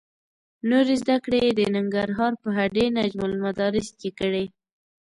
نورې زده کړې یې د ننګرهار په هډې نجم المدارس کې کړې.